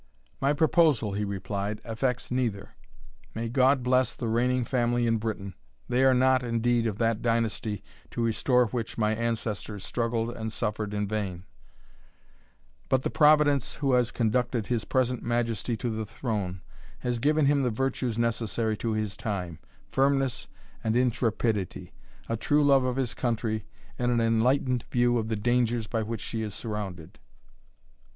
"My proposal," he replied, "affects neither. May God bless the reigning family in Britain! They are not, indeed, of that dynasty to restore which my ancestors struggled and suffered in vain; but the Providence who has conducted his present Majesty to the throne, has given him the virtues necessary to his time firmness and intrepidity a true love of his country, and an enlightened view of the dangers by which she is surrounded.